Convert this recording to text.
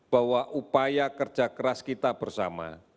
bahwa upaya kerja keras kita bersama